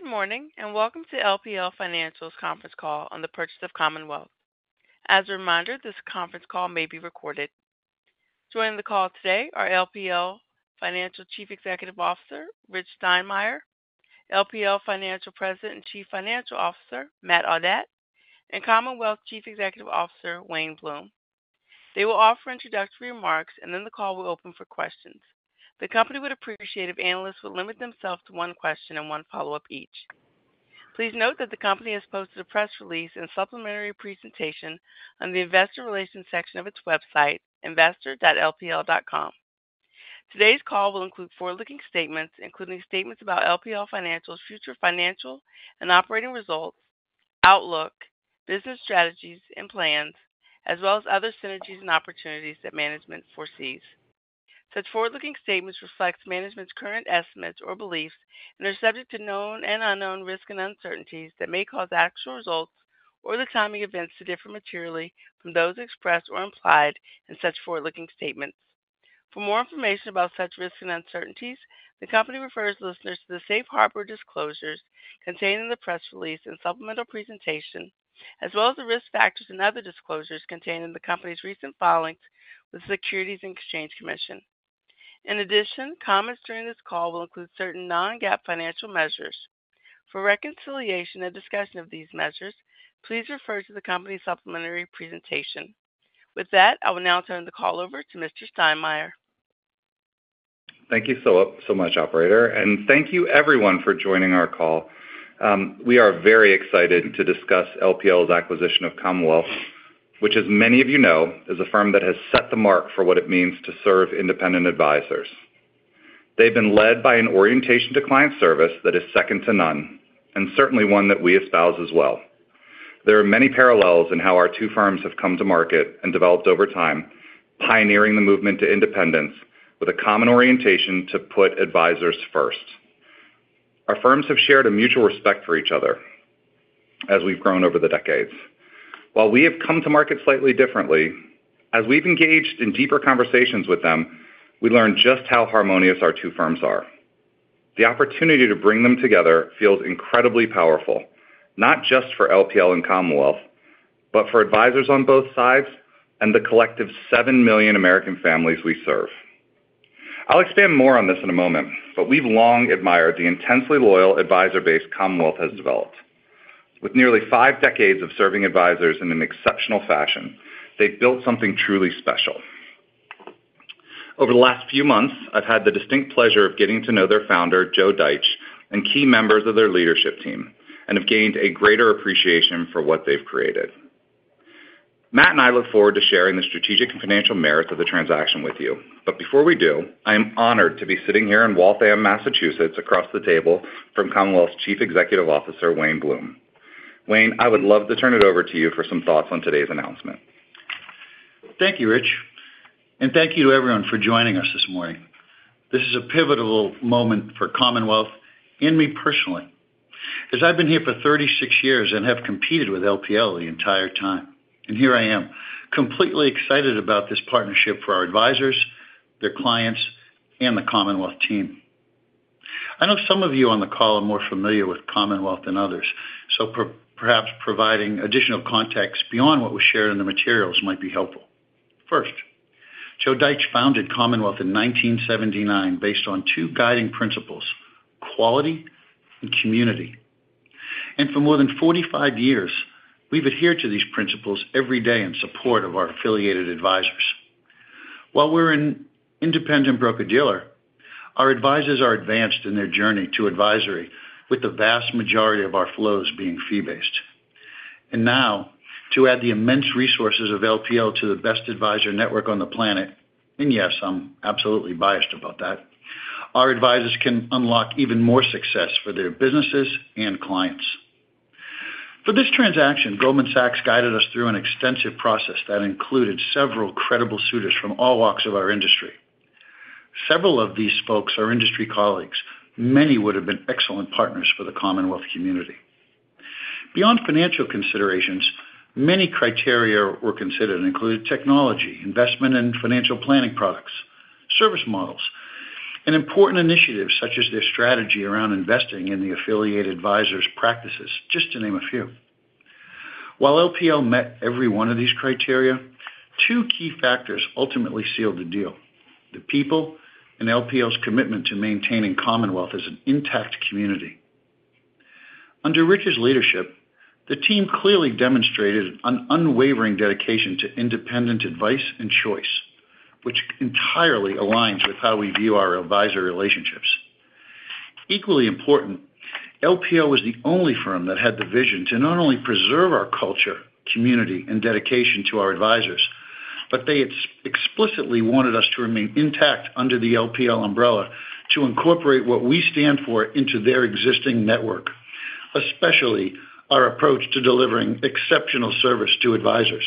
Good morning and welcome to LPL Financial's conference call on the purchase of Commonwealth. As a reminder, this conference call may be recorded. Joining the call today are LPL Financial Chief Executive Officer, Rich Steinmeier, LPL Financial President and Chief Financial Officer, Matt Audette, and Commonwealth Chief Executive Officer, Wayne Bloom. They will offer introductory remarks, and then the call will open for questions. The company would appreciate if analysts would limit themselves to one question and one follow-up each. Please note that the company has posted a press release and supplementary presentation on the investor relations section of its website, investor.lpl.com. Today's call will include forward-looking statements, including statements about LPL Financial's future financial and operating results, outlook, business strategies and plans, as well as other synergies and opportunities that management foresees. Such forward-looking statements reflect management's current estimates or beliefs and are subject to known and unknown risk and uncertainties that may cause actual results or the timing of events to differ materially from those expressed or implied in such forward-looking statements. For more information about such risk and uncertainties, the company refers listeners to the Safe Harbor Disclosures contained in the press release and supplemental presentation, as well as the Risk Factors and other disclosures contained in the company's recent filings with the Securities and Exchange Commission. In addition, comments during this call will include certain non-GAAP financial measures. For reconciliation and discussion of these measures, please refer to the company's supplementary presentation. With that, I will now turn the call over to Mr. Steinmeier. Thank you so much, Operator, and thank you everyone for joining our call. We are very excited to discuss LPL's acquisition of Commonwealth, which, as many of you know, is a firm that has set the mark for what it means to serve independent advisors. They've been led by an orientation to client service that is second to none and certainly one that we espouse as well. There are many parallels in how our two firms have come to market and developed over time, pioneering the movement to independence with a common orientation to put advisors first. Our firms have shared a mutual respect for each other as we've grown over the decades. While we have come to market slightly differently, as we've engaged in deeper conversations with them, we learned just how harmonious our two firms are. The opportunity to bring them together feels incredibly powerful, not just for LPL and Commonwealth, but for advisors on both sides and the collective 7 million American families we serve. I'll expand more on this in a moment, but we've long admired the intensely loyal advisor base Commonwealth has developed. With nearly five decades of serving advisors in an exceptional fashion, they've built something truly special. Over the last few months, I've had the distinct pleasure of getting to know their founder, Joe Deitch, and key members of their leadership team, and have gained a greater appreciation for what they've created. Matt and I look forward to sharing the strategic and financial merits of the transaction with you. Before we do, I am honored to be sitting here in Waltham, Massachusetts, across the table from Commonwealth's Chief Executive Officer, Wayne Bloom. Wayne, I would love to turn it over to you for some thoughts on today's announcement. Thank you, Rich, and thank you to everyone for joining us this morning. This is a pivotal moment for Commonwealth and me personally, as I've been here for 36 years and have competed with LPL the entire time. Here I am, completely excited about this partnership for our advisors, their clients, and the Commonwealth team. I know some of you on the call are more familiar with Commonwealth than others, so perhaps providing additional context beyond what was shared in the materials might be helpful. First, Joe Deitch founded Commonwealth in 1979 based on two guiding principles: quality and community. For more than 45 years, we've adhered to these principles every day in support of our affiliated advisors. While we're an independent broker-dealer, our advisors are advanced in their journey to advisory, with the vast majority of our flows being fee-based. To add the immense resources of LPL to the best advisor network on the planet—and yes, I'm absolutely biased about that—our advisors can unlock even more success for their businesses and clients. For this transaction, Goldman Sachs guided us through an extensive process that included several credible suitors from all walks of our industry. Several of these folks are industry colleagues; many would have been excellent partners for the Commonwealth community. Beyond financial considerations, many criteria were considered, including technology, investment and financial planning products, service models, and important initiatives such as their strategy around investing in the affiliated advisors' practices, just to name a few. While LPL met every one of these criteria, two key factors ultimately sealed the deal: the people and LPL's commitment to maintaining Commonwealth as an intact community. Under Rich's leadership, the team clearly demonstrated an unwavering dedication to independent advice and choice, which entirely aligns with how we view our advisor relationships. Equally important, LPL was the only firm that had the vision to not only preserve our culture, community, and dedication to our advisors, but they explicitly wanted us to remain intact under the LPL umbrella to incorporate what we stand for into their existing network, especially our approach to delivering exceptional service to advisors.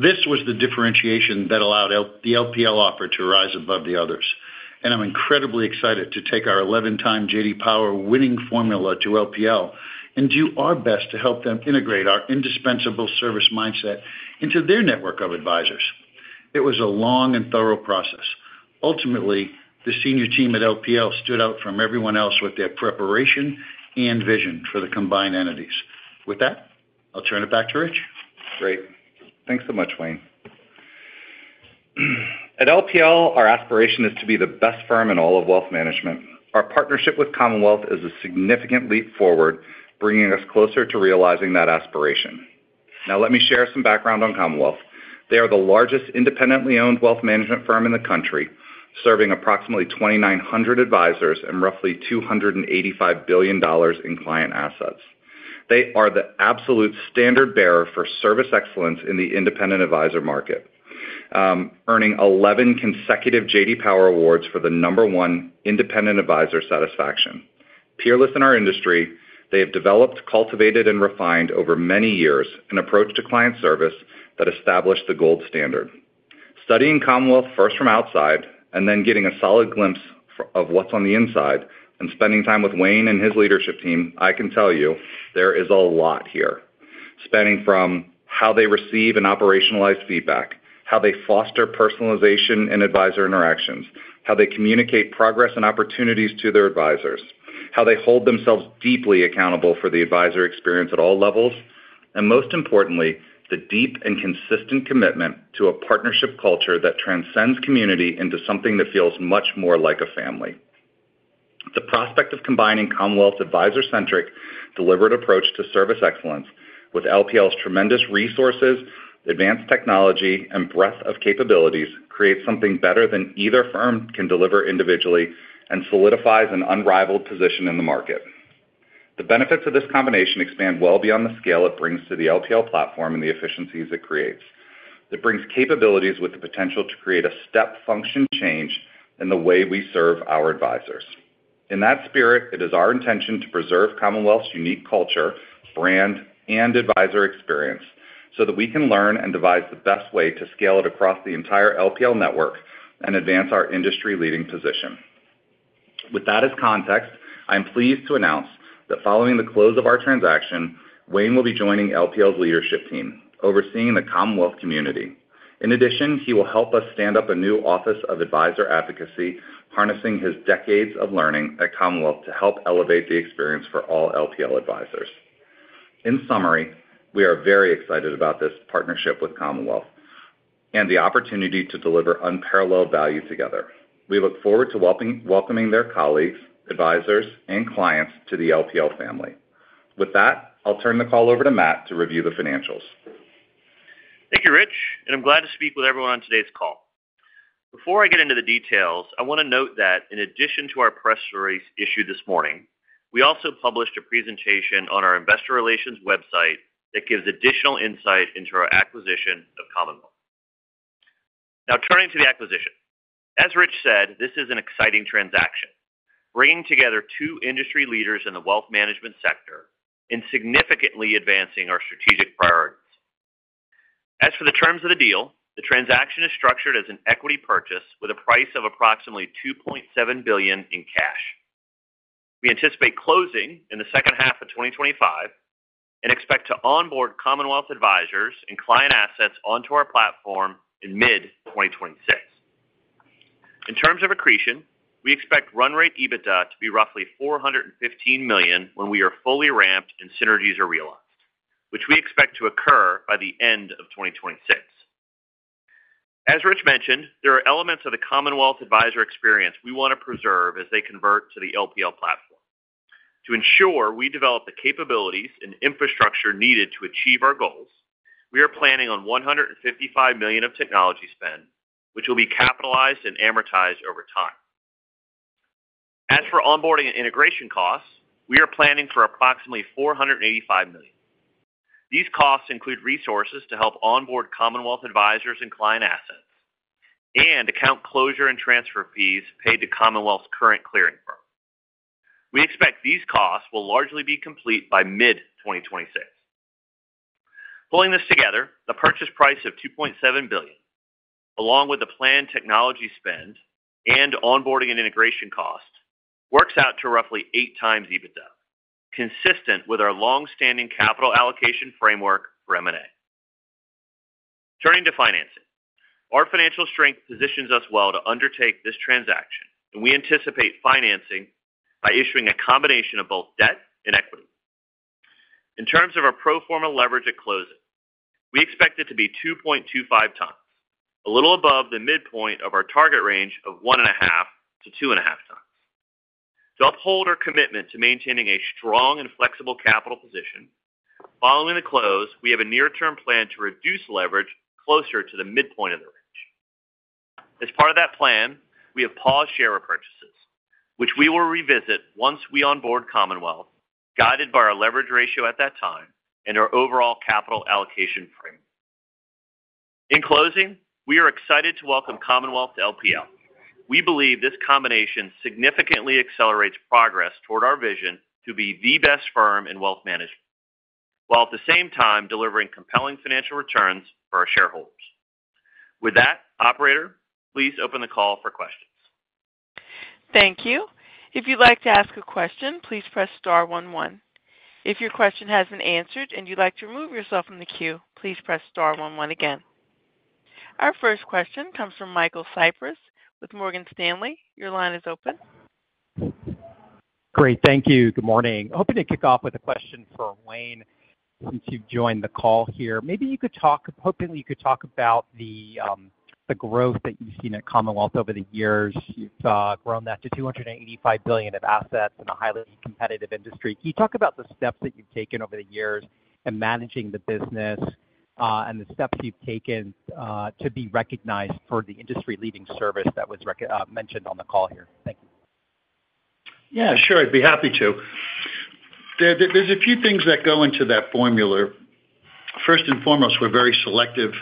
This was the differentiation that allowed the LPL offer to rise above the others. I am incredibly excited to take our 11-time J.D. Power winning formula to LPL and do our best to help them integrate our indispensable service mindset into their network of advisors. It was a long and thorough process. Ultimately, the senior team at LPL stood out from everyone else with their preparation and vision for the combined entities. With that, I'll turn it back to Rich. Great. Thanks so much, Wayne. At LPL, our aspiration is to be the best firm in all of wealth management. Our partnership with Commonwealth is a significant leap forward, bringing us closer to realizing that aspiration. Now, let me share some background on Commonwealth. They are the largest independently owned wealth management firm in the country, serving approximately 2,900 advisors and roughly $285 billion in client assets. They are the absolute standard bearer for service excellence in the independent advisor market, earning 11 consecutive J.D. Power awards for the number one independent advisor satisfaction. Peerless in our industry, they have developed, cultivated, and refined over many years an approach to client service that established the gold standard. Studying Commonwealth first from outside and then getting a solid glimpse of what's on the inside and spending time with Wayne and his leadership team, I can tell you there is a lot here, spanning from how they receive and operationalize feedback, how they foster personalization in advisor interactions, how they communicate progress and opportunities to their advisors, how they hold themselves deeply accountable for the advisor experience at all levels, and most importantly, the deep and consistent commitment to a partnership culture that transcends community into something that feels much more like a family. The prospect of combining Commonwealth's advisor-centric, deliberate approach to service excellence with LPL's tremendous resources, advanced technology, and breadth of capabilities creates something better than either firm can deliver individually and solidifies an unrivaled position in the market. The benefits of this combination expand well beyond the scale it brings to the LPL platform and the efficiencies it creates. It brings capabilities with the potential to create a step-function change in the way we serve our advisors. In that spirit, it is our intention to preserve Commonwealth's unique culture, brand, and advisor experience so that we can learn and devise the best way to scale it across the entire LPL network and advance our industry-leading position. With that as context, I'm pleased to announce that following the close of our transaction, Wayne will be joining LPL's leadership team, overseeing the Commonwealth community. In addition, he will help us stand up a new office of advisor advocacy, harnessing his decades of learning at Commonwealth to help elevate the experience for all LPL advisors. In summary, we are very excited about this partnership with Commonwealth and the opportunity to deliver unparalleled value together. We look forward to welcoming their colleagues, advisors, and clients to the LPL family. With that, I'll turn the call over to Matt to review the financials. Thank you, Rich, and I'm glad to speak with everyone on today's call. Before I get into the details, I want to note that in addition to our press release issued this morning, we also published a presentation on our Investor Relations website that gives additional insight into our acquisition of Commonwealth. Now, turning to the acquisition, as Rich said, this is an exciting transaction, bringing together two industry leaders in the wealth management sector and significantly advancing our strategic priorities. As for the terms of the deal, the transaction is structured as an equity purchase with a price of approximately $2.7 billion in cash. We anticipate closing in the second half of 2025 and expect to onboard Commonwealth advisors and client assets onto our platform in mid-2026. In terms of accretion, we expect run rate EBITDA to be roughly $415 million when we are fully ramped and synergies are realized, which we expect to occur by the end of 2026. As Rich mentioned, there are elements of the Commonwealth advisor experience we want to preserve as they convert to the LPL platform. To ensure we develop the capabilities and infrastructure needed to achieve our goals, we are planning on $155 million of technology spend, which will be capitalized and amortized over time. As for onboarding and integration costs, we are planning for approximately $485 million. These costs include resources to help onboard Commonwealth advisors and client assets and account closure and transfer fees paid to Commonwealth's current clearing firm. We expect these costs will largely be complete by mid-2026. Pulling this together, the purchase price of $2.7 billion, along with the planned technology spend and onboarding and integration costs, works out to roughly 8x EBITDA, consistent with our long-standing capital allocation framework for M&A. Turning to financing, our financial strength positions us well to undertake this transaction, and we anticipate financing by issuing a combination of both debt and equity. In terms of our pro forma leverage at closing, we expect it to be 2.25x, a little above the midpoint of our target range of 1.5x-2.5x. To uphold our commitment to maintaining a strong and flexible capital position, following the close, we have a near-term plan to reduce leverage closer to the midpoint of the range. As part of that plan, we have paused share repurchases, which we will revisit once we onboard Commonwealth, guided by our leverage ratio at that time and our overall capital allocation framework. In closing, we are excited to welcome Commonwealth to LPL. We believe this combination significantly accelerates progress toward our vision to be the best firm in wealth management while at the same time delivering compelling financial returns for our shareholders. With that, Operator, please open the call for questions. Thank you. If you'd like to ask a question, please press star one one. If your question hasn't been answered and you'd like to remove yourself from the queue, please press star one one again. Our first question comes from Michael Cyprys with Morgan Stanley. Your line is open. Great. Thank you. Good morning. Hoping to kick off with a question for Wayne since you've joined the call here. Maybe you could talk—hoping you could talk about the growth that you've seen at Commonwealth over the years. You've grown that to $285 billion of assets in a highly competitive industry. Can you talk about the steps that you've taken over the years in managing the business and the steps you've taken to be recognized for the industry-leading service that was mentioned on the call here? Thank you. Yeah, sure. I'd be happy to. There's a few things that go into that formula. First and foremost, we're very selective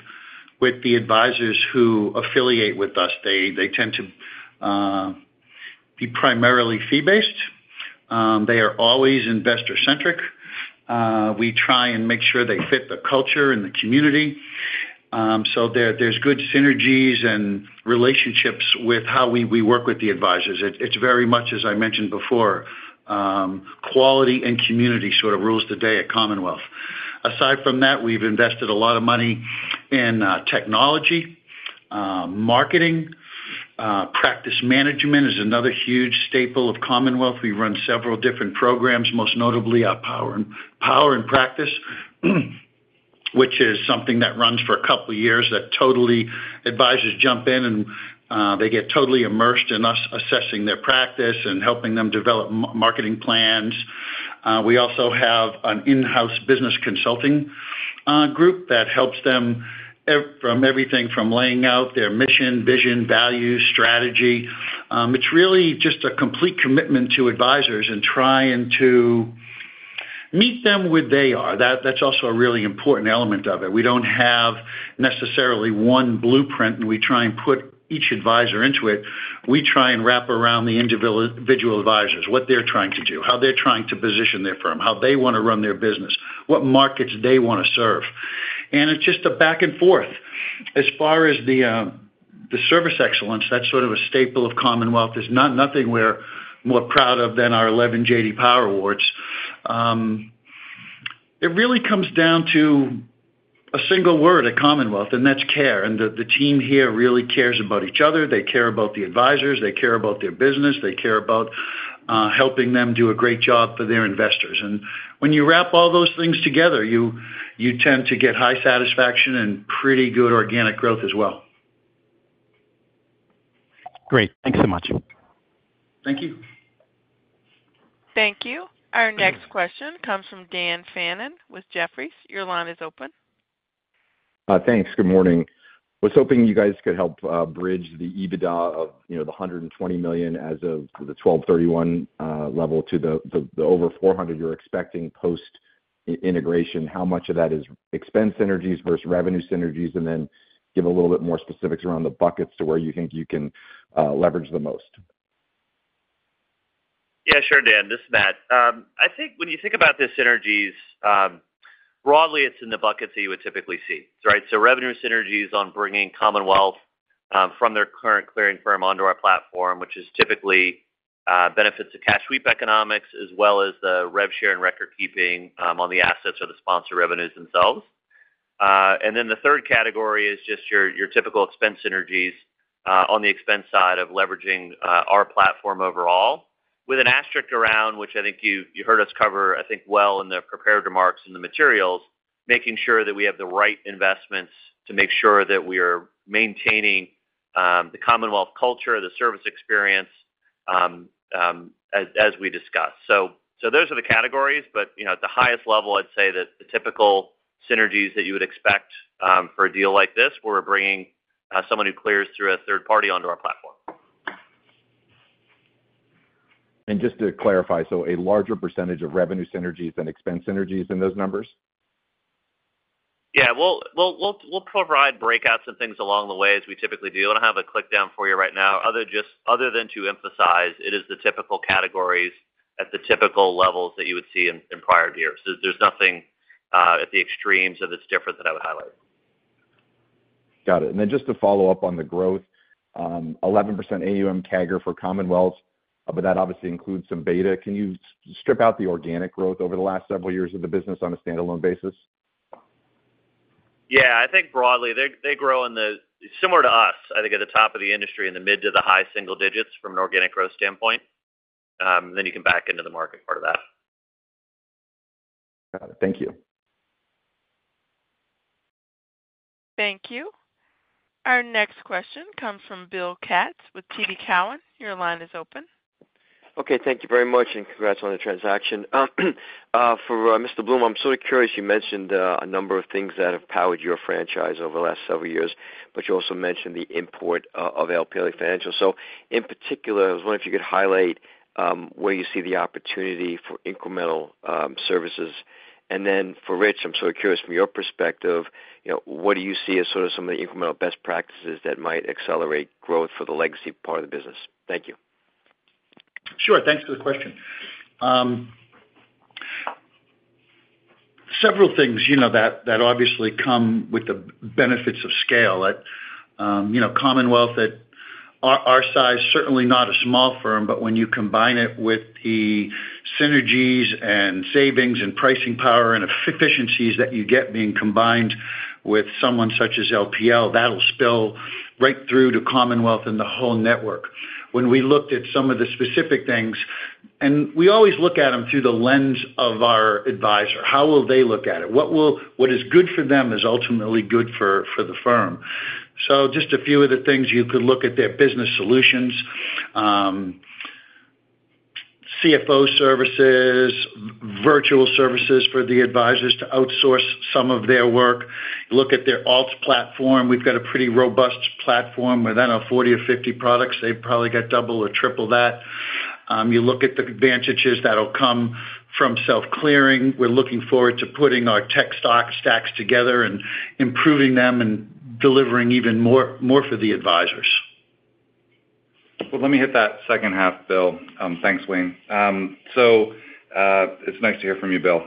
with the advisors who affiliate with us. They tend to be primarily fee-based. They are always investor-centric. We try and make sure they fit the culture and the community. There's good synergies and relationships with how we work with the advisors. It's very much, as I mentioned before, quality and community sort of rules the day at Commonwealth. Aside from that, we've invested a lot of money in technology, marketing. Practice management is another huge staple of Commonwealth. We run several different programs, most notably our Power in Practice, which is something that runs for a couple of years that totally advisors jump in, and they get totally immersed in us assessing their practice and helping them develop marketing plans. We also have an in-house business consulting group that helps them from everything from laying out their mission, vision, values, strategy. It's really just a complete commitment to advisors and trying to meet them where they are. That's also a really important element of it. We don't have necessarily one blueprint, and we try and put each advisor into it. We try and wrap around the individual advisors what they're trying to do, how they're trying to position their firm, how they want to run their business, what markets they want to serve. It's just a back and forth. As far as the service excellence, that's sort of a staple of Commonwealth. There's nothing we're more proud of than our 11 J.D. Power awards. It really comes down to a single word at Commonwealth, and that's care. The team here really cares about each other. They care about the advisors. They care about their business. They care about helping them do a great job for their investors. When you wrap all those things together, you tend to get high satisfaction and pretty good organic growth as well. Great. Thanks so much. Thank you. Thank you. Our next question comes from Dan Fannon with Jefferies. Your line is open. Thanks. Good morning. I was hoping you guys could help bridge the EBITDA of the $120 million as of the 12/31 level to the over $400 you're expecting post-integration. How much of that is expense synergies versus revenue synergies? Give a little bit more specifics around the buckets to where you think you can leverage the most. Yeah, sure, Dan. This is Matt. I think when you think about the synergies, broadly, it's in the buckets that you would typically see. Right? Revenue synergies on bringing Commonwealth from their current clearing firm onto our platform, which is typically benefits to cash sweep economics as well as the rev share and record keeping on the assets or the sponsor revenues themselves. The third category is just your typical expense synergies on the expense side of leveraging our platform overall with an asterisk around, which I think you heard us cover, I think, well in the prepared remarks in the materials, making sure that we have the right investments to make sure that we are maintaining the Commonwealth culture, the service experience as we discussed. Those are the categories. At the highest level, I'd say that the typical synergies that you would expect for a deal like this were bringing someone who clears through a third party onto our platform. Just to clarify, so a larger percentage of revenue synergies than expense synergies in those numbers? Yeah. We will provide breakouts and things along the way as we typically do. I do not have a click down for you right now. Other than to emphasize, it is the typical categories at the typical levels that you would see in prior years. There is nothing at the extremes of this difference that I would highlight. Got it. Just to follow up on the growth, 11% AUM CAGR for Commonwealth, but that obviously includes some beta. Can you strip out the organic growth over the last several years of the business on a standalone basis? Yeah. I think broadly, they grow similar to us, I think, at the top of the industry in the mid to high single digits from an organic growth standpoint. Then you can back into the market part of that. Got it. Thank you. Thank you. Our next question comes from Bill Katz with TD Cowen. Your line is open. Okay. Thank you very much, and congrats on the transaction. For Mr. Bloom, I'm sort of curious. You mentioned a number of things that have powered your franchise over the last several years, but you also mentioned the import of LPL Financial. In particular, I was wondering if you could highlight where you see the opportunity for incremental services. For Rich, I'm sort of curious, from your perspective, what do you see as sort of some of the incremental best practices that might accelerate growth for the legacy part of the business? Thank you. Sure. Thanks for the question. Several things that obviously come with the benefits of scale. Commonwealth at our size, certainly not a small firm, but when you combine it with the synergies and savings and pricing power and efficiencies that you get being combined with someone such as LPL, that'll spill right through to Commonwealth and the whole network. When we looked at some of the specific things, and we always look at them through the lens of our advisor. How will they look at it? What is good for them is ultimately good for the firm. Just a few of the things you could look at are Business Solutions, CFO services, virtual services for the advisors to outsource some of their work. Look at their alts platform. We've got a pretty robust platform with, I don't know, 40 or 50 products. They've probably got double or triple that. You look at the advantages that'll come from self-clearing. We're looking forward to putting our tech stacks together and improving them and delivering even more for the advisors. Let me hit that second half, Bill. Thanks, Wayne. It's nice to hear from you, Bill.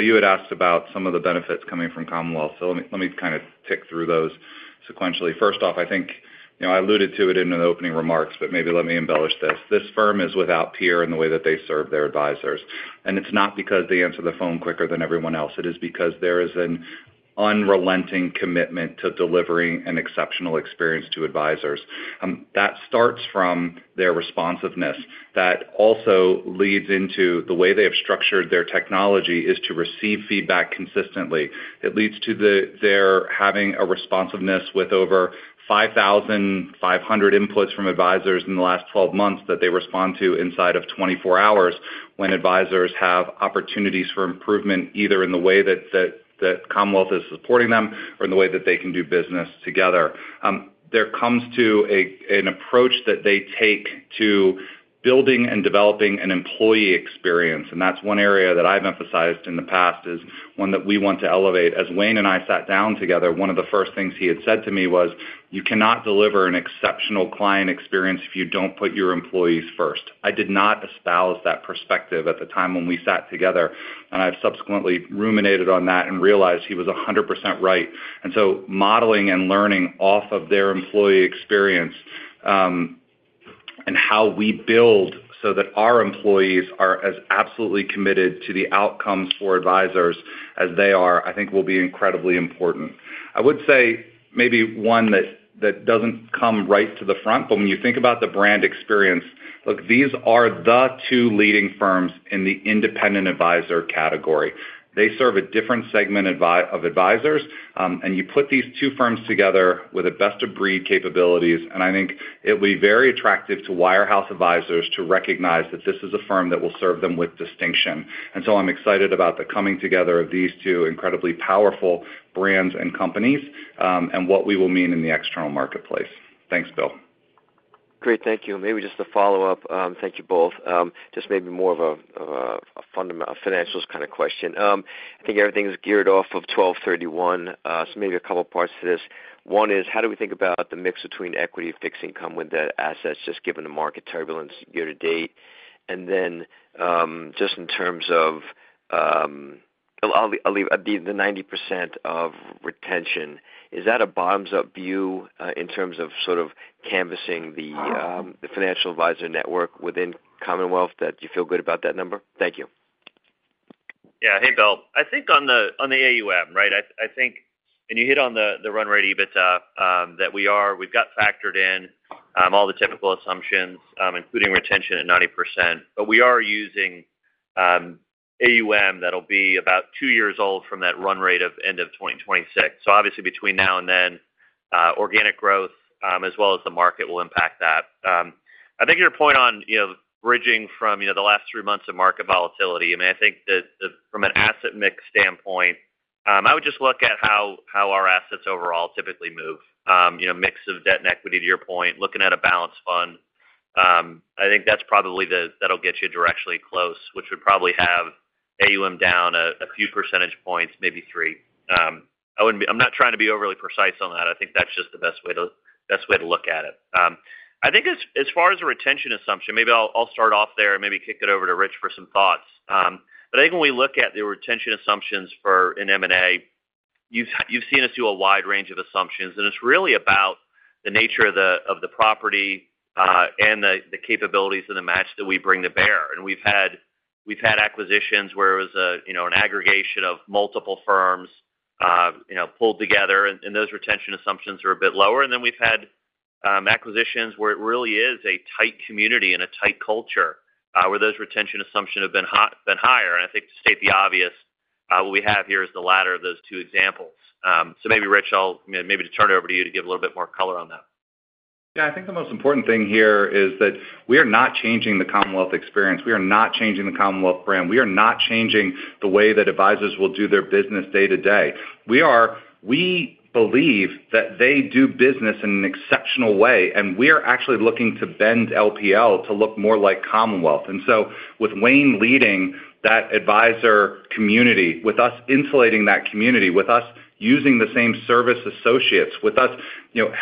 You had asked about some of the benefits coming from Commonwealth. Let me kind of tick through those sequentially. First off, I think I alluded to it in the opening remarks, but maybe let me embellish this. This firm is without peer in the way that they serve their advisors. It's not because they answer the phone quicker than everyone else. It is because there is an unrelenting commitment to delivering an exceptional experience to advisors. That starts from their responsiveness. That also leads into the way they have structured their technology to receive feedback consistently. It leads to their having a responsiveness with over 5,500 inputs from advisors in the last 12 months that they respond to inside of 24 hours when advisors have opportunities for improvement either in the way that Commonwealth is supporting them or in the way that they can do business together. There comes to an approach that they take to building and developing an employee experience. That is one area that I've emphasized in the past is one that we want to elevate. As Wayne and I sat down together, one of the first things he had said to me was, "You cannot deliver an exceptional client experience if you don't put your employees first." I did not espouse that perspective at the time when we sat together, and I've subsequently ruminated on that and realized he was 100% right. Modeling and learning off of their employee experience and how we build so that our employees are as absolutely committed to the outcomes for advisors as they are, I think will be incredibly important. I would say maybe one that does not come right to the front, but when you think about the brand experience, look, these are the two leading firms in the independent advisor category. They serve a different segment of advisors, and you put these two firms together with the best-of-breed capabilities, and I think it will be very attractive to wirehouse advisors to recognize that this is a firm that will serve them with distinction. I am excited about the coming together of these two incredibly powerful brands and companies and what we will mean in the external marketplace. Thanks, Bill. Great. Thank you. Maybe just to follow up, thank you both. Just maybe more of a financials kind of question. I think everything is geared off of 12/31, so maybe a couple of parts to this. One is, how do we think about the mix between equity and fixed income with the assets just given the market turbulence year to date? And then just in terms of the 90% of retention, is that a bottoms-up view in terms of sort of canvassing the financial advisor network within Commonwealth that you feel good about that number? Thank you. Yeah. Hey, Bill. I think on the AUM, right, I think, and you hit on the run rate EBITDA that we are, we've got factored in all the typical assumptions, including retention at 90%. But we are using AUM that'll be about two years old from that run rate of end of 2026. Obviously, between now and then, organic growth as well as the market will impact that. I think your point on bridging from the last three months of market volatility, I mean, I think that from an asset mix standpoint, I would just look at how our assets overall typically move, mix of debt and equity to your point, looking at a balanced fund. I think that's probably that'll get you directionally close, which would probably have AUM down a few percentage points, maybe 3%. I'm not trying to be overly precise on that. I think that's just the best way to look at it. I think as far as a retention assumption, maybe I'll start off there and maybe kick it over to Rich for some thoughts. I think when we look at the retention assumptions for an M&A, you've seen us do a wide range of assumptions, and it's really about the nature of the property and the capabilities and the match that we bring to bear. We've had acquisitions where it was an aggregation of multiple firms pulled together, and those retention assumptions are a bit lower. We've had acquisitions where it really is a tight community and a tight culture where those retention assumptions have been higher. I think to state the obvious, what we have here is the latter of those two examples. Maybe, Rich, I'll turn it over to you to give a little bit more color on that. Yeah. I think the most important thing here is that we are not changing the Commonwealth experience. We are not changing the Commonwealth brand. We are not changing the way that advisors will do their business day to day. We believe that they do business in an exceptional way, and we are actually looking to bend LPL to look more like Commonwealth. With Wayne leading that advisor community, with us insulating that community, with us using the same service associates, with us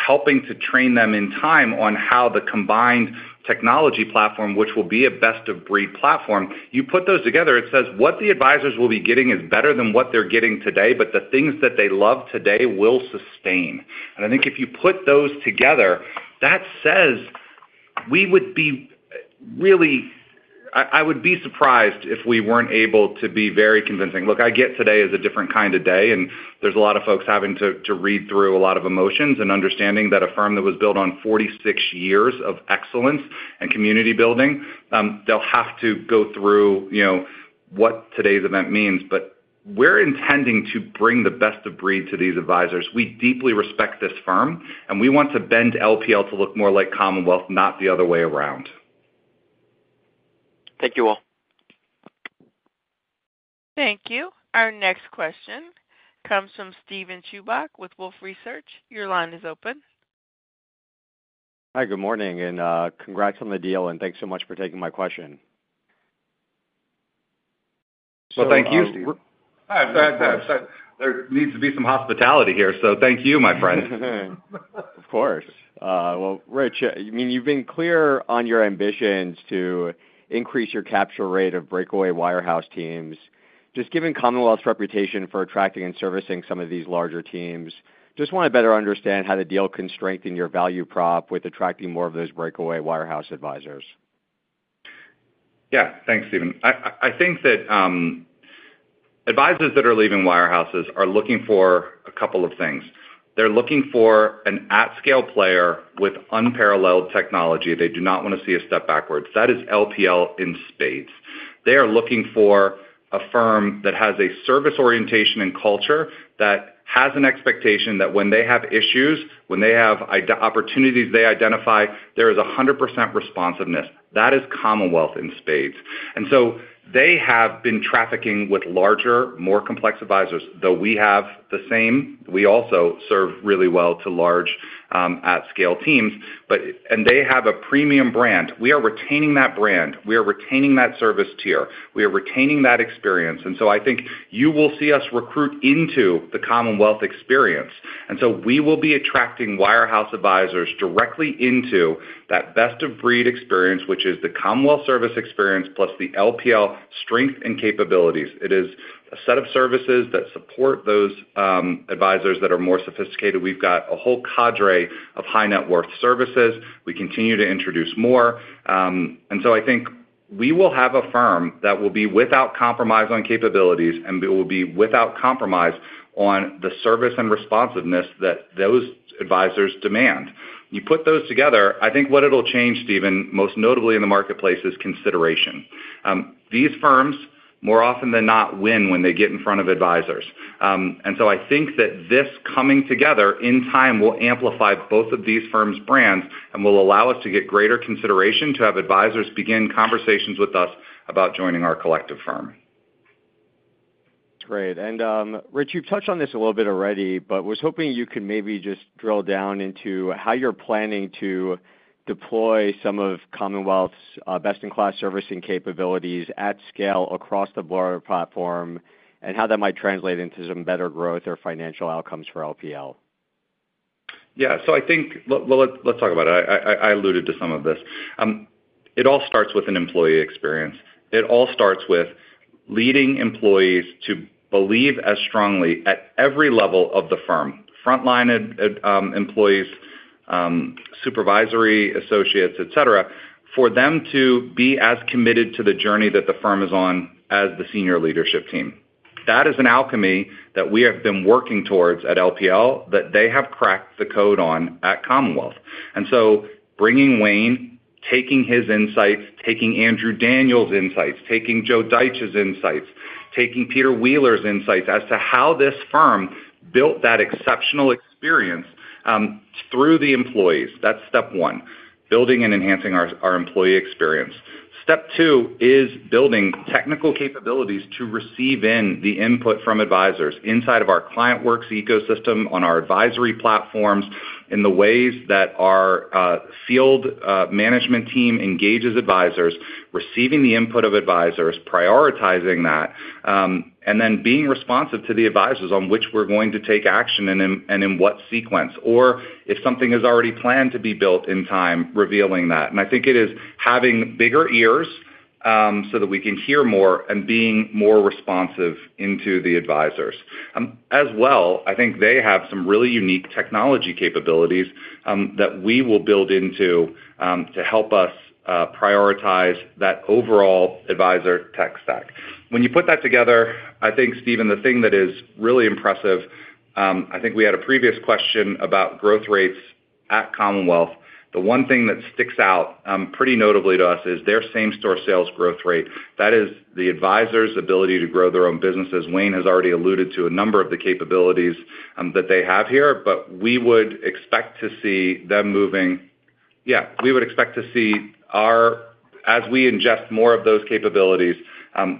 helping to train them in time on how the combined technology platform, which will be a best-of-breed platform, you put those together, it says, "What the advisors will be getting is better than what they're getting today, but the things that they love today will sustain." I think if you put those together, that says we would be really, I would be surprised if we weren't able to be very convincing. Look, I get today is a different kind of day, and there's a lot of folks having to read through a lot of emotions and understanding that a firm that was built on 46 years of excellence and community building, they'll have to go through what today's event means. We are intending to bring the best-of-breed to these advisors. We deeply respect this firm, and we want to bend LPL to look more like Commonwealth, not the other way around. Thank you all. Thank you. Our next question comes from Steven Chubak with Wolfe Research. Your line is open. Hi, good morning, and congrats on the deal, and thanks so much for taking my question. Thank you. There needs to be some hospitality here, so thank you, my friend. Of course. Rich, I mean, you've been clear on your ambitions to increase your capture rate of breakaway wirehouse teams, just given Commonwealth's reputation for attracting and servicing some of these larger teams. Just want to better understand how the deal can strengthen your value prop with attracting more of those breakaway wirehouse advisors. Yeah. Thanks, Steven. I think that advisors that are leaving wirehouses are looking for a couple of things. They're looking for an at-scale player with unparalleled technology. They do not want to see a step backwards. That is LPL in spades. They are looking for a firm that has a service orientation and culture that has an expectation that when they have issues, when they have opportunities they identify, there is 100% responsiveness. That is Commonwealth in spades. They have been trafficking with larger, more complex advisors. Though we have the same, we also serve really well to large at-scale teams. They have a premium brand. We are retaining that brand. We are retaining that service tier. We are retaining that experience. I think you will see us recruit into the Commonwealth experience. We will be attracting wirehouse advisors directly into that best-of-breed experience, which is the Commonwealth service experience plus the LPL strength and capabilities. It is a set of services that support those advisors that are more sophisticated. We have a whole cadre of high-net-worth services. We continue to introduce more. I think we will have a firm that will be without compromise on capabilities, and we will be without compromise on the service and responsiveness that those advisors demand. You put those together, I think what it will change, Steven, most notably in the marketplace is consideration. These firms, more often than not, win when they get in front of advisors. I think that this coming together in time will amplify both of these firms' brands and will allow us to get greater consideration to have advisors begin conversations with us about joining our collective firm. Great. Rich, you've touched on this a little bit already, but was hoping you could maybe just drill down into how you're planning to deploy some of Commonwealth's best-in-class servicing capabilities at scale across the broader platform and how that might translate into some better growth or financial outcomes for LPL. Yeah. I think, let's talk about it. I alluded to some of this. It all starts with an employee experience. It all starts with leading employees to believe as strongly at every level of the firm, frontline employees, supervisory associates, etc., for them to be as committed to the journey that the firm is on as the senior leadership team. That is an alchemy that we have been working towards at LPL that they have cracked the code on at Commonwealth. Bringing Wayne, taking his insights, taking Andrew Daniels' insights, taking Joe Deitch's insights, taking Peter Wheeler's insights as to how this firm built that exceptional experience through the employees. That's step one, building and enhancing our employee experience. Step two is building technical capabilities to receive the input from advisors inside of our ClientWorks ecosystem on our advisory platforms in the ways that our field management team engages advisors, receiving the input of advisors, prioritizing that, and then being responsive to the advisors on which we're going to take action and in what sequence, or if something is already planned to be built in time, revealing that. I think it is having bigger ears so that we can hear more and being more responsive to the advisors. As well, I think they have some really unique technology capabilities that we will build into to help us prioritize that overall advisor tech stack. When you put that together, I think, Steven, the thing that is really impressive, I think we had a previous question about growth rates at Commonwealth. The one thing that sticks out pretty notably to us is their same-store sales growth rate. That is the advisors' ability to grow their own businesses. Wayne has already alluded to a number of the capabilities that they have here, but we would expect to see them moving. Yeah. We would expect to see our as we ingest more of those capabilities,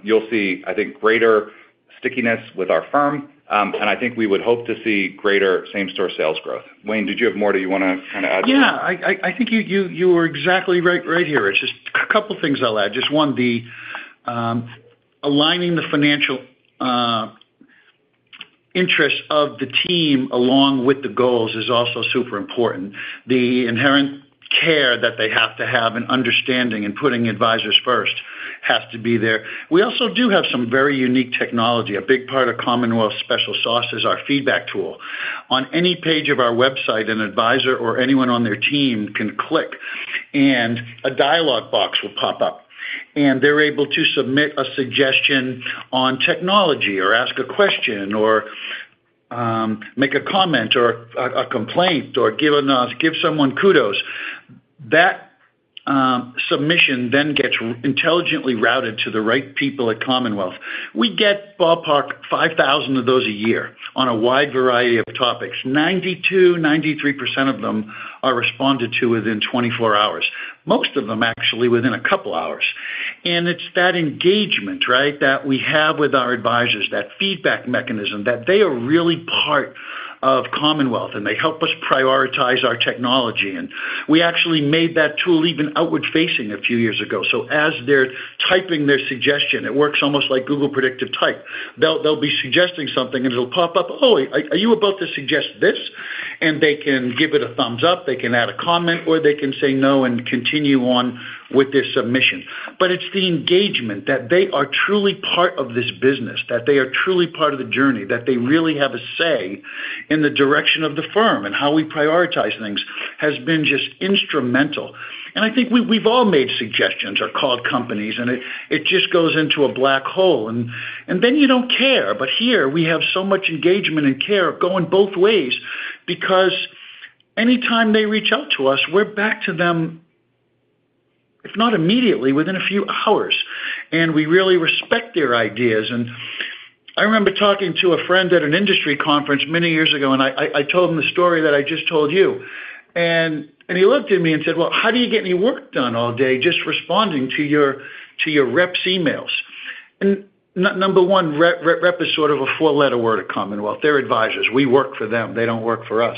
you'll see, I think, greater stickiness with our firm, and I think we would hope to see greater same-store sales growth. Wayne, did you have more that you want to kind of add to that? Yeah. I think you were exactly right here. It's just a couple of things I'll add. Just one, aligning the financial interests of the team along with the goals is also super important. The inherent care that they have to have and understanding and putting advisors first has to be there. We also do have some very unique technology. A big part of Commonwealth's special sauce is our feedback tool. On any page of our website, an advisor or anyone on their team can click, and a dialogue box will pop up, and they're able to submit a suggestion on technology or ask a question or make a comment or a complaint or give someone kudos. That submission then gets intelligently routed to the right people at Commonwealth. We get ballpark 5,000 of those a year on a wide variety of topics. 92%, 93% of them are responded to within 24 hours. Most of them, actually, within a couple of hours. It is that engagement, right, that we have with our advisors, that feedback mechanism that they are really part of Commonwealth, and they help us prioritize our technology. We actually made that tool even outward-facing a few years ago. As they are typing their suggestion, it works almost like Google predictive type. They will be suggesting something, and it will pop up, "Oh, are you about to suggest this?" They can give it a thumbs up. They can add a comment, or they can say no and continue on with their submission. It is the engagement that they are truly part of this business, that they are truly part of the journey, that they really have a say in the direction of the firm and how we prioritize things has been just instrumental. I think we've all made suggestions or called companies, and it just goes into a black hole, and then you don't care. Here, we have so much engagement and care going both ways because anytime they reach out to us, we're back to them, if not immediately, within a few hours. We really respect their ideas. I remember talking to a friend at an industry conference many years ago, and I told him the story that I just told you. He looked at me and said, "How do you get any work done all day just responding to your rep's emails?" Number one, rep is sort of a four-letter word at Commonwealth. They are advisors. We work for them. They do not work for us.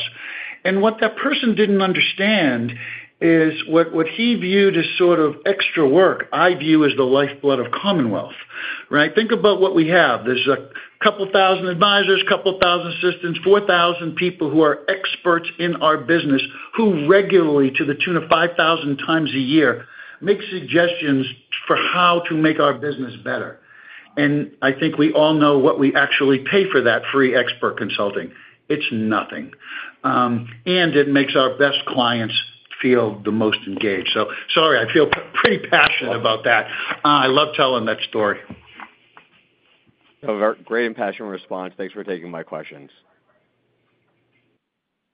What that person did not understand is what he viewed as extra work I view as the lifeblood of Commonwealth, right? Think about what we have. There are a couple thousand advisors, a couple thousand assistants, 4,000 people who are experts in our business who regularly, to the tune of 5,000x a year, make suggestions for how to make our business better. I think we all know what we actually pay for that free expert consulting. It is nothing. It makes our best clients feel the most engaged. Sorry, I feel pretty passionate about that. I love telling that story. That was a great and passionate response. Thanks for taking my questions.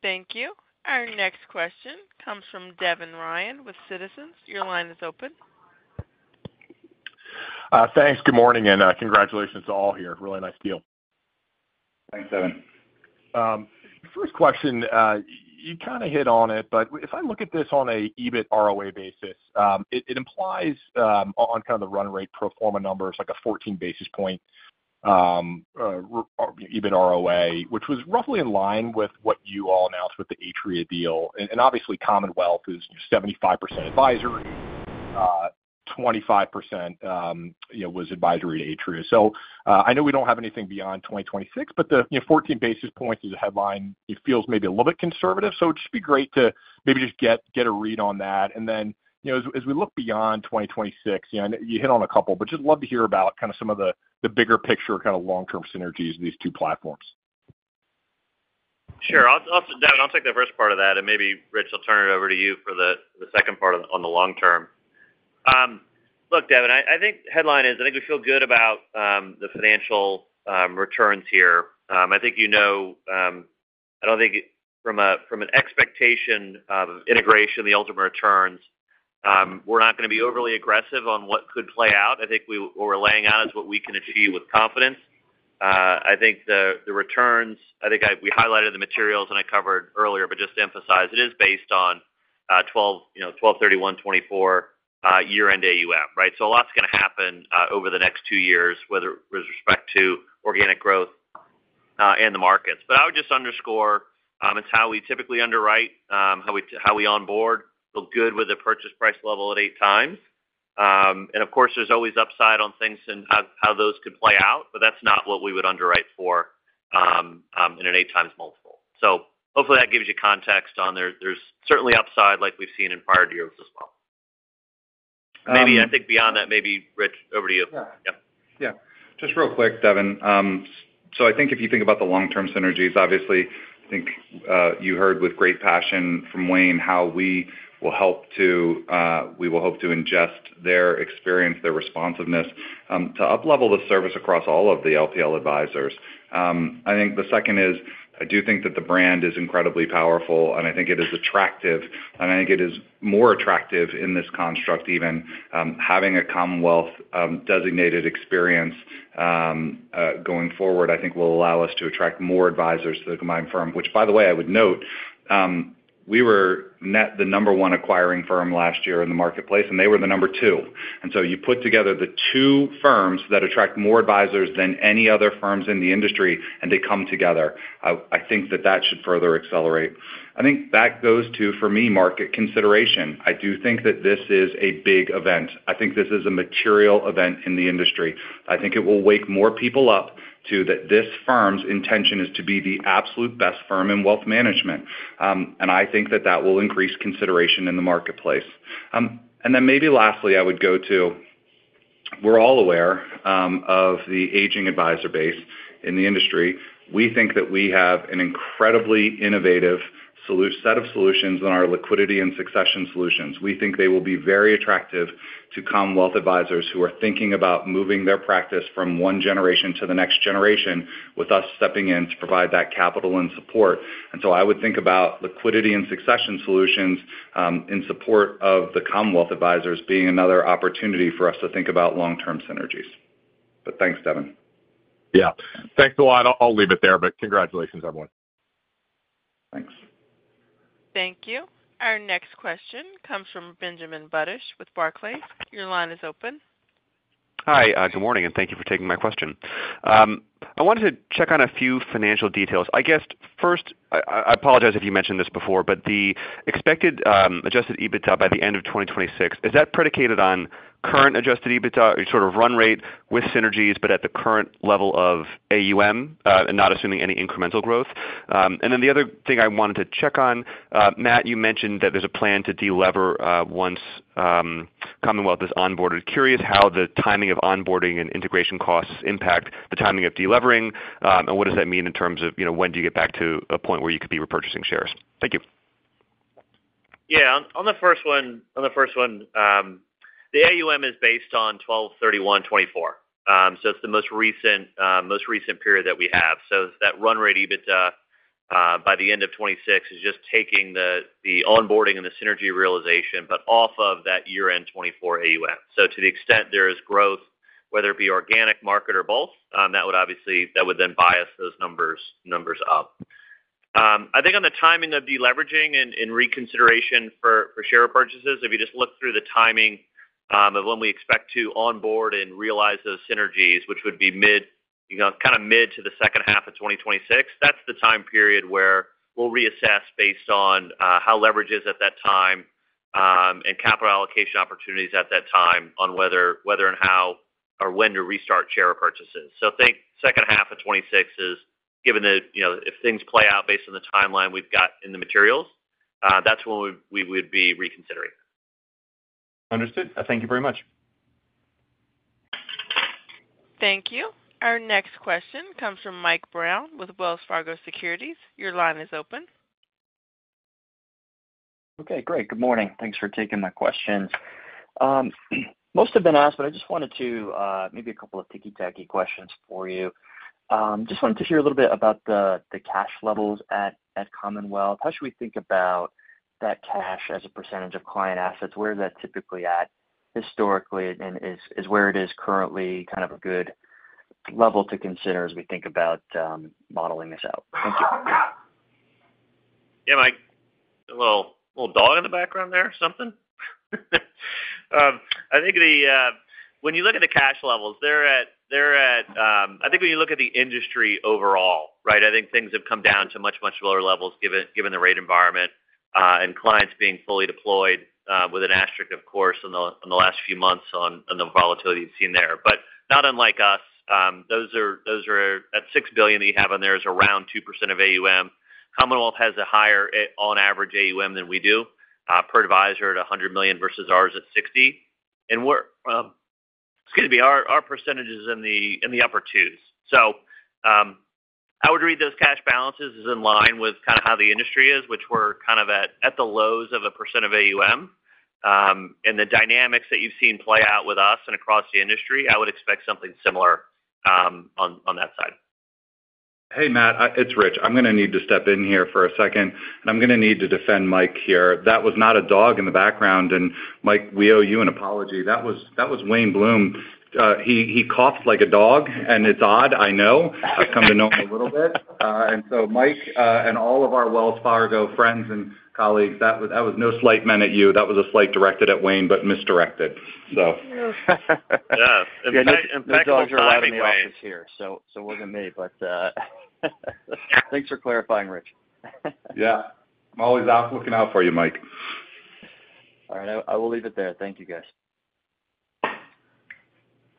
Thank you. Our next question comes from Devin Ryan with Citizens. Your line is open. Thanks. Good morning, and congratulations to all here. Really nice deal. Thanks, Devin. First question, you kind of hit on it, but if I look at this on an EBIT ROA basis, it implies on kind of the run rate pro forma numbers, like a 14 basis point EBIT ROA, which was roughly in line with what you all announced with the Atria deal. Obviously, Commonwealth is 75% advisory, 25% was advisory to Atria. I know we do not have anything beyond 2026, but the 14 basis points is a headline. It feels maybe a little bit conservative. It would be great to maybe just get a read on that. As we look beyond 2026, you hit on a couple, but just love to hear about kind of some of the bigger picture kind of long-term synergies of these two platforms. Sure. I'll take that. I'll take the first part of that, and maybe, Rich, I'll turn it over to you for the second part on the long term. Look, Devin, I think headline is I think we feel good about the financial returns here. I think you know I don't think from an expectation of integration, the ultimate returns, we're not going to be overly aggressive on what could play out. I think what we're laying out is what we can achieve with confidence. I think the returns, I think we highlighted the materials and I covered earlier, but just to emphasize, it is based on 12/31/2024 year-end AUM, right? A lot's going to happen over the next two years with respect to organic growth and the markets. I would just underscore it's how we typically underwrite, how we onboard. We're good with a purchase price level at 8x. Of course, there's always upside on things and how those could play out, but that's not what we would underwrite for in an 8x multiple. Hopefully, that gives you context on there's certainly upside like we've seen in prior deals as well. Maybe I think beyond that, maybe, Rich, over to you. Yeah. Just real quick, Devin. I think if you think about the long-term synergies, obviously, I think you heard with great passion from Wayne how we will hope to ingest their experience, their responsiveness to uplevel the service across all of the LPL advisors. I think the second is I do think that the brand is incredibly powerful, and I think it is attractive. I think it is more attractive in this construct, even having a Commonwealth designated experience going forward, I think will allow us to attract more advisors to the combined firm, which, by the way, I would note, we were net the number one acquiring firm last year in the marketplace, and they were the number two. You put together the two firms that attract more advisors than any other firms in the industry, and they come together. I think that should further accelerate. I think that goes to, for me, market consideration. I do think that this is a big event. I think this is a material event in the industry. I think it will wake more people up to that this firm's intention is to be the absolute best firm in wealth management. I think that will increase consideration in the marketplace. Maybe lastly, I would go to we're all aware of the aging advisor base in the industry. We think that we have an incredibly innovative set of solutions in our liquidity and succession solutions. We think they will be very attractive to Commonwealth advisors who are thinking about moving their practice from one generation to the next generation with us stepping in to provide that capital and support. I would think about liquidity and succession solutions in support of the Commonwealth advisors being another opportunity for us to think about long-term synergies. Thanks, Devin. Yeah. Thanks a lot. I'll leave it there, but congratulations, everyone. Thanks. Thank you. Our next question comes from Benjamin Budish with Barclays. Your line is open. Hi. Good morning, and thank you for taking my question. I wanted to check on a few financial details. I guess, first, I apologize if you mentioned this before, but the expected adjusted EBITDA by the end of 2026, is that predicated on current adjusted EBITDA or sort of run rate with synergies, but at the current level of AUM and not assuming any incremental growth? The other thing I wanted to check on, Matt, you mentioned that there's a plan to delever once Commonwealth is onboarded. Curious how the timing of onboarding and integration costs impact the timing of delevering, and what does that mean in terms of when do you get back to a point where you could be repurchasing shares? Thank you. Yeah. On the first one, the AUM is based on 12/31/2024. So it's the most recent period that we have. So that run rate EBITDA by the end of 2026 is just taking the onboarding and the synergy realization, but off of that year-end 2024 AUM. To the extent there is growth, whether it be organic, market, or both, that would obviously then bias those numbers up. I think on the timing of deleveraging and reconsideration for share purchases, if you just look through the timing of when we expect to onboard and realize those synergies, which would be kind of mid to the second half of 2026, that's the time period where we'll reassess based on how leverage is at that time and capital allocation opportunities at that time on whether and how or when to restart share purchases. I think second half of 2026 is given that if things play out based on the timeline we've got in the materials, that's when we would be reconsidering. Understood. Thank you very much. Thank you. Our next question comes from Mike Brown with Wells Fargo Securities. Your line is open. Okay. Great. Good morning. Thanks for taking my questions. Most have been asked, but I just wanted to maybe a couple of ticky-tacky questions for you. Just wanted to hear a little bit about the cash levels at Commonwealth. How should we think about that cash as a percentage of client assets? Where is that typically at historically? Is where it is currently kind of a good level to consider as we think about modeling this out? Thank you. Yeah, Mike. A little dog in the background there. Something? I think when you look at the cash levels, they're at, I think when you look at the industry overall, right, I think things have come down to much, much lower levels given the rate environment and clients being fully deployed with an asterisk, of course, in the last few months on the volatility you've seen there. Not unlike us, those at $6 billion that you have on there is around 2% of AUM. Commonwealth has a higher on average AUM than we do per advisor at $100 million versus ours at $60 million. Excuse me, our percentage is in the upper twos. I would read those cash balances as in line with kind of how the industry is, which we're kind of at the lows of a percent of AUM. The dynamics that you've seen play out with us and across the industry, I would expect something similar on that side. Hey, Matt. It's Rich. I'm going to need to step in here for a second, and I'm going to need to defend Mike here. That was not a dog in the background. And Mike, we owe you an apology. That was Wayne Bloom. He coughed like a dog, and it's odd, I know. I've come to know him a little bit. Mike and all of our Wells Fargo friends and colleagues, that was no slight meant at you. That was a slight directed at Wayne, but misdirected. Yeah. In fact, I'm sorry about any office here. So it wasn't me, but thanks for clarifying, Rich. Yeah. I'm always looking out for you, Mike. All right. I will leave it there. Thank you, guys.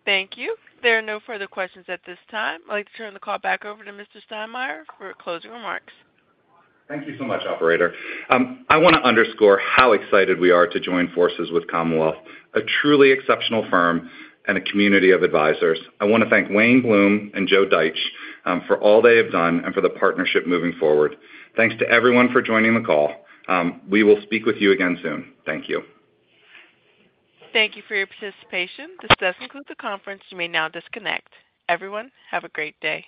Thank you. There are no further questions at this time. I'd like to turn the call back over to Mr. Steinmeier for closing remarks. Thank you so much, operator. I want to underscore how excited we are to join forces with Commonwealth, a truly exceptional firm and a community of advisors. I want to thank Wayne Bloom and Joe Deitch for all they have done and for the partnership moving forward. Thanks to everyone for joining the call. We will speak with you again soon. Thank you. Thank you for your participation. This does conclude the conference. You may now disconnect. Everyone, have a great day.